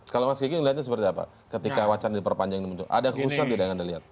kalau mas kiki melihatnya seperti apa ketika wacana diperpanjang ini muncul ada kehususan tidak yang anda lihat